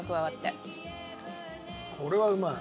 これはうまい。